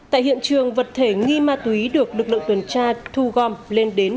tại hiện trường vật thể nghi ma túy được lực lượng tuần tra thu gom lên đến